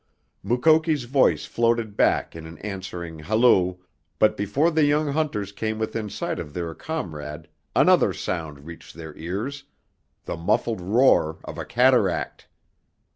Mukoki's voice floated back in an answering halloo, but before the young hunters came within sight of their comrade another sound reached their ears, the muffled roar of a cataract!